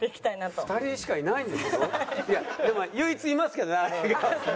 でも唯一いますけどねあれが。